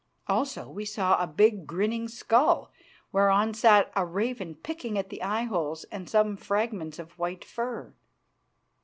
Also we saw a big grinning skull, whereon sat a raven picking at the eye holes, and some fragments of white fur.